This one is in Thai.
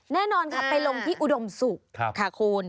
แน่นอนค่ะไปลงที่อุดมศุกร์ค่ะคุณ